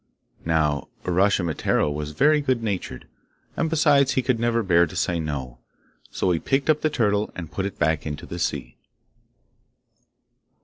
Now Uraschimataro was very good natured, and besides, he could never bear to say no, so he picked up the turtle, and put it back into the sea.